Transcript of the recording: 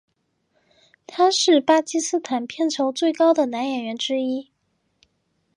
他是巴基斯坦片酬最高的男演员之一。